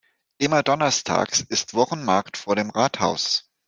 Immer donnerstags ist Wochenmarkt vor dem Rathaus.